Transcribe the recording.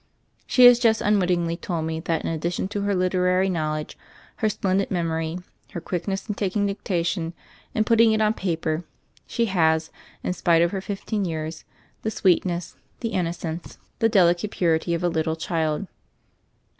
She has just unwittingly told me that in addition to her literary knowledge, her splen did memory, her quickness in taking dictation and putting it on paper, she has, in spite of her fifteen years, the sweetness, the innocence, the i 2IO THE FAIRY OF THE SNOWS delicate purity of a little child.